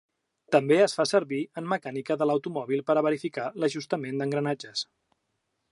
També es fa servir en mecànica de l'automòbil per a verificar l'ajustament d'engranatges.